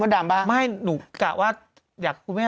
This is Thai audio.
ไม่เห็นภาพไปได้อย่างไรน่ะ